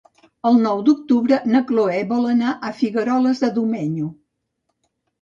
El nou d'octubre na Cloè vol anar a Figueroles de Domenyo.